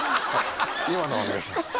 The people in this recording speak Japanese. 今のはお願いします。